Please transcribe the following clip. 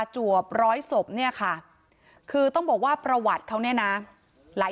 จวบร้อยศพเนี่ยค่ะคือต้องบอกว่าประวัติเขาเนี่ยนะหลาย